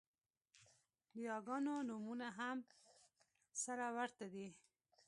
د یاګانو نومونه هم سره ورته دي